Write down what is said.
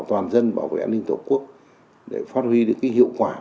toàn dân bảo vệ an ninh tổ quốc để phát huy được hiệu quả